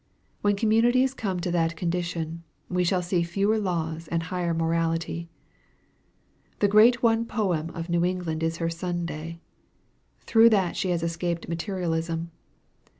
When communities come to that condition, we shall see fewer laws and higher morality. "The one great poem of New England is her Sunday! Through that she has escaped materialism.